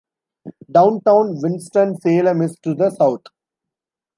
Downtown Winston-Salem is to the south.